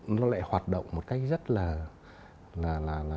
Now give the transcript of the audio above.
nó lại hoạt động một cách rất là